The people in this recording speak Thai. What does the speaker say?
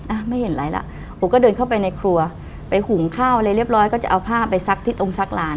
อ่ะไม่เห็นอะไรล่ะผมก็เดินเข้าไปในครัวไปหุงข้าวอะไรเรียบร้อยก็จะเอาผ้าไปซักที่ตรงซักหลาน